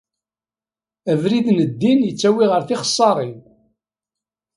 Abrid n ddin yettawi ɣer tixeṣṣaṛin.